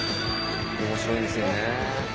面白いんですよね。